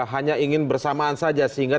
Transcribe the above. hanya ingin bersamaan saja sehingga